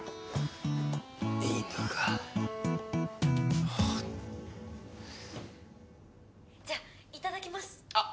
犬がじゃいただきますあっ！